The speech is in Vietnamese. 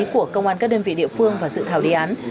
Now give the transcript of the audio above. của công an các đơn vị địa phương vào sự thảo đề án